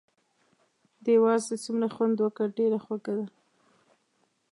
دې وازدې څومره خوند وکړ، ډېره خوږه ده.